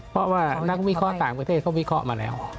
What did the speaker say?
เพราะว่านักวิเคราะห์ต่างประเทศเขาวิเคราะห์มาแล้ว